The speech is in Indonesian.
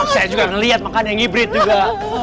saya juga ngeliat makanya ngibrit juga